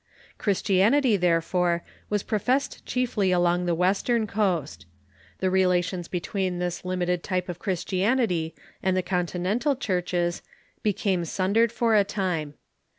Christianity, therefore, was pro fessed chiefly along the western coast. The relations between this limited type of Christianity and the Continental churches became sundered for a time.